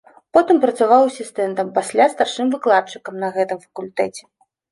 Потым працаваў асістэнтам, пасля старшым выкладчыкам на гэтым факультэце.